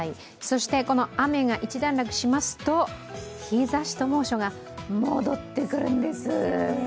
そして雨が一段落しますと日ざしと猛暑が戻ってくるんです。